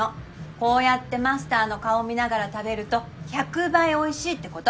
こうやってマスターの顔見ながら食べると１００倍おいしいってこと！